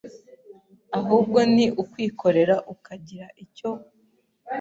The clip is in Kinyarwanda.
ahubwo ni ukwikorera ukagira icyo